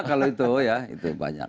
kalau itu ya